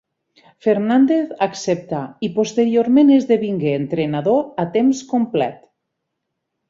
Fernández acceptà i posteriorment esdevingué entrenador a temps complet.